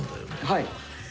はい。